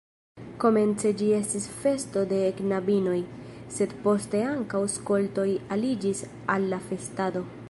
Komence ĝi estis festo de knabinoj, sed poste ankaŭ skoltoj aliĝis al la festado.